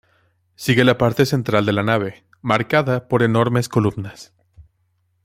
Sigue la parte central de la nave, marcada por enormes columnas.